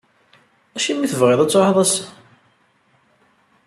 Acimi i tebɣiḍ ad tṛuḥeḍ ass-a?